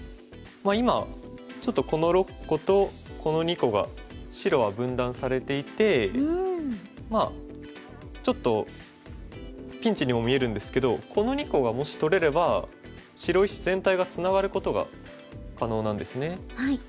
今ちょっとこの６個とこの２個が白は分断されていてまあちょっとピンチにも見えるんですけどこの２個がもし取れれば白石全体がツナがることが可能なんですね。